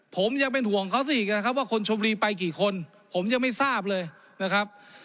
ผมยังเป็นห่วงเขาซะอีกนะครับว่าคนชมรีไปกี่คนผมยังไม่ทราบเลยนะครับ